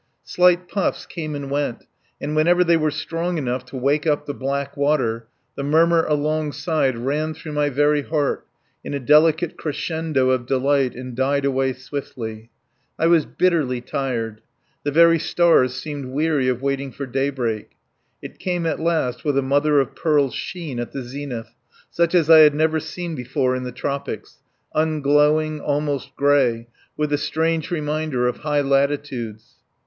Slight puffs came and went, and whenever they were strong enough to wake up the black water the murmur alongside ran through my very heart in a delicate crescendo of delight and died away swiftly. I was bitterly tired. The very stars seemed weary of waiting for daybreak. It came at last with a mother of pearl sheen at the zenith, such as I had never seen before in the tropics, unglowing, almost gray, with a strange reminder of high latitudes.